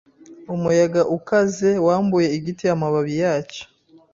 Umuyaga ukaze wambuye igiti amababi yacyo.